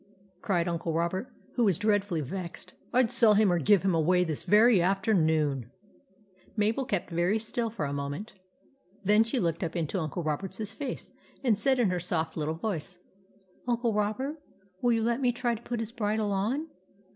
cried Uncle Robert, who was dread fully vexed. " I '11 sell him or give him away this very afternoon !" 20 THE ADVENTURES OF MABEL Mabel kept very still for a moment Then she looked up into Uncle Roberts face, and said in her soft little voice :—" Uncle Robert, will you let me try to put his bridle on?